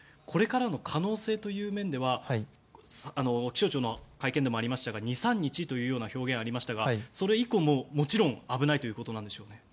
これからの可能性という面では気象庁の会見でもありましたが２３日というような表現がありましたがそれ以降ももちろん危ないということですか？